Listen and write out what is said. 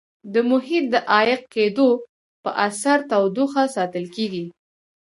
د محیط د عایق کېدو په اثر تودوخه ساتل کیږي.